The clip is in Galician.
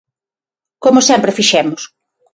Como sempre fixemos.